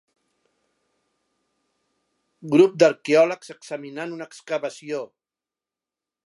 Grup d'arqueòlegs examinant una excavació.